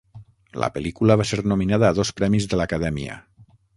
La pel·lícula va ser nominada a dos premis de l'Acadèmia.